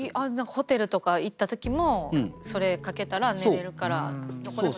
ホテルとか行った時もそれかけたら寝れるからどこでも寝れるみたいな。